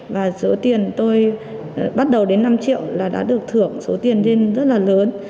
và số tiền tôi bắt đầu đến năm triệu là đã được thưởng số tiền lên rất là lớn